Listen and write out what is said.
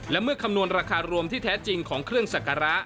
และเมื่อคำนวณราคารวมที่แท้จริงของเครื่องสักการะ